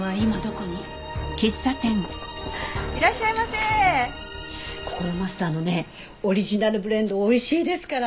ここのマスターのねオリジナルブレンドおいしいですから。